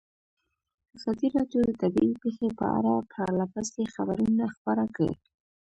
ازادي راډیو د طبیعي پېښې په اړه پرله پسې خبرونه خپاره کړي.